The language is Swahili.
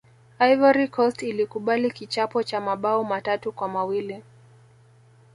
ivory coast ilikubali kichapo cha mabao matatu kwa mawili